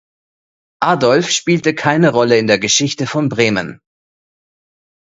Adolf spielte keine Rolle in der Geschichte von Bremen.